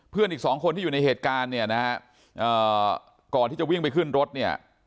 อีกสองคนที่อยู่ในเหตุการณ์เนี่ยนะฮะก่อนที่จะวิ่งไปขึ้นรถเนี่ย